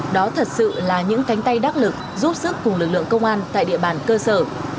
đó thật sự là những cánh tay đắc lực giúp sức cùng lực lượng công an tại địa bàn cơ sở